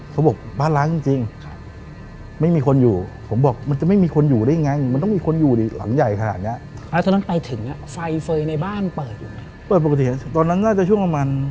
ลักษณะความรู้สึกคือบ้านเหมือนมีคนอยู่ในบ้าน